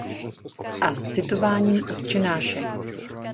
A s citováním Otčenáše.